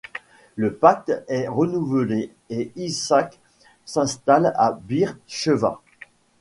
Le pacte est renouvelé et Isaac s'installe à Beer Sheva.